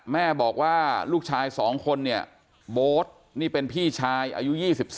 แม่บอกว่าลูกชาย๒คนเนี่ยโบ๊ทนี่เป็นพี่ชายอายุ๒๓